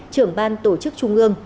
trưởng ban tổ chức trung ương